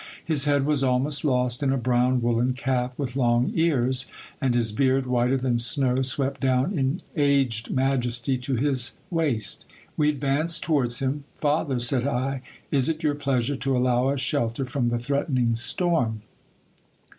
His head was almost lost in a brown woollen cap with long ears ; and his beard, whiter than snow, swept down in aged majesty to his waist. We ad vanced towards him. Father, said I, is it your pleasure to allow us shelter from the threatening storm